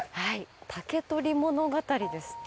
竹取物語ですって。